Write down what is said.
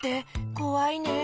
こわいねえ。